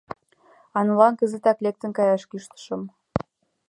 А нунылан кызытак лектын каяш кӱштышым.